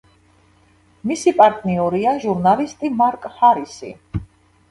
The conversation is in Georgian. მისი პარტნიორია ჟურნალისტი მარკ ჰარისი.